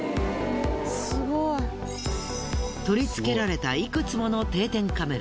すごい。取り付けられたいくつもの定点カメラ。